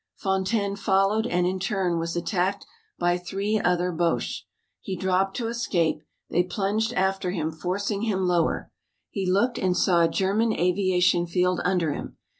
Fontaine followed and in turn was attacked by three other Boches. He dropped to escape, they plunged after him forcing him lower. He looked and saw a German aviation field under him.